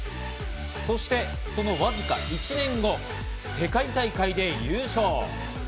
そしてそのわずか１年後、世界大会で優勝。